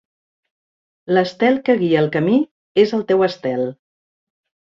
L'estel que guia el camí és el teu estel.